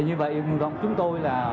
như vậy chúng tôi